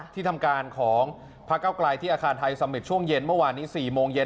ที่ทำการของพระเก้าไกลที่อาคารไทยสมิตรช่วงเย็นเมื่อวานนี้๔โมงเย็น